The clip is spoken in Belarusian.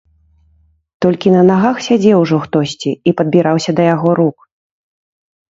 Толькі на нагах сядзеў ужо хтосьці і падбіраўся да яго рук.